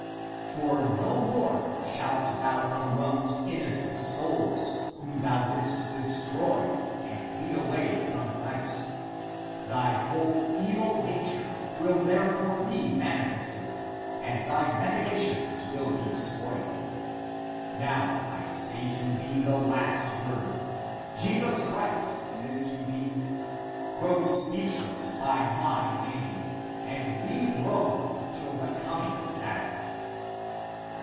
For no more shalt thou corrupt innocent souls whom thou didst destroy and lead away from Christ. Thy whole evil nature will therefore be manifested, and thy machinations will be spoiled. Now I say to thee the last word: Jesus Christ says to thee, Grow speechless by my name, and leave Rome till the coming Sabbath."